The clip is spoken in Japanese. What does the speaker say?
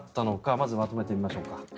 まずまとめてみましょうか。